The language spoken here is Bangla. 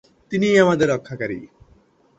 তিনিই আমাদের রক্ষাকারী।